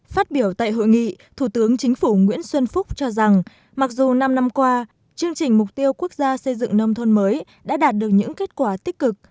phát biểu tại hội nghị thủ tướng chính phủ nguyễn xuân phúc cho rằng mặc dù năm năm qua chương trình mục tiêu quốc gia xây dựng nông thôn mới đã đạt được những kết quả tích cực